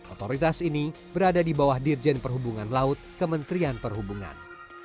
otoritas ini berada di bawah dirjen perhubungan laut kementerian perhubungan